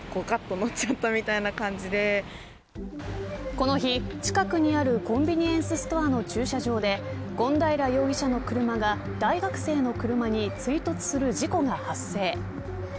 この日、近くにあるコンビニエンスストアの駐車場で権平容疑者の車が大学生の車に追突する事故が発生。